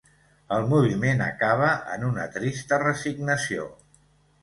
El moviment acaba en una trista resignació.